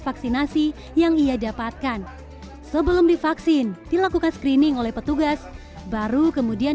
vaksinasi yang ia dapatkan sebelum divaksin dilakukan screening oleh petugas baru kemudian